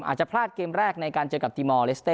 อาจจะพลาดเกมแรกในการเจอกับทีมอลเลสเต้